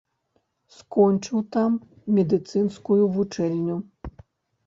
Скончыў там медыцынскую вучэльню.